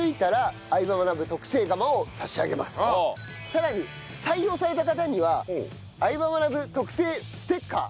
さらに採用された方には『相葉マナブ』特製ステッカー。